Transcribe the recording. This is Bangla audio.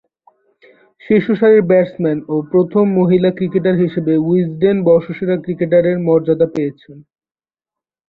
শীর্ষসারির ব্যাটসম্যান ও প্রথম মহিলা ক্রিকেটার হিসেবে উইজডেন বর্ষসেরা ক্রিকেটারের মর্যাদা পেয়েছেন।